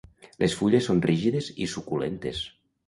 Les fulles són rígides i suculentes.